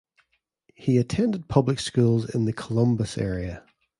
He attended public schools in the Columbus area.